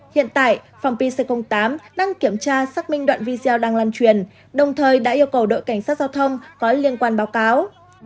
hiện tại phòng pc tám đang kiểm tra xác minh đoạn video đang lan truyền đồng thời đã yêu cầu đội cảnh sát giao thông có liên quan báo cáo